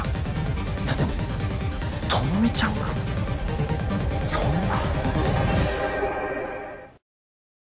いやでも朋美ちゃんがそんな。